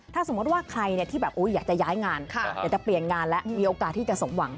ถ้าสมมติว่าใครที่แบบอยากจะย้ายงานอยากจะเปลี่ยนงานแล้วมีโอกาสที่จะสมหวัง